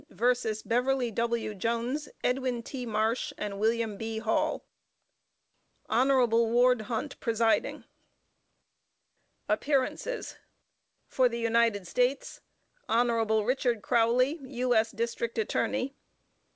vs. BEVERLY W. JONES, EDWIN T. MARSH, AND WILLIAM B. HALL. HON. WARD HUNT, Presiding. APPEARANCES. For the United States: HON. RICHARD CROWLEY, U.S. District Attorney.